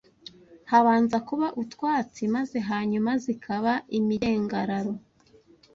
Habanza kuba utwatsi, maze hanyuma zikaba imigengararo